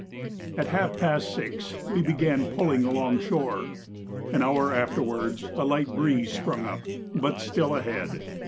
At half past 6 we began pulling along shore. An hour afterwards a light breeze sprung up, but still ahead.